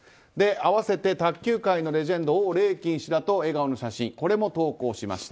併せて、卓球界のレジェンドオウ・レイキン氏らと笑顔の写真、これも投稿しました。